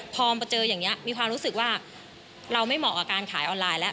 พอมาเจออย่างนี้มีความรู้สึกว่าเราไม่เหมาะกับการขายออนไลน์แล้ว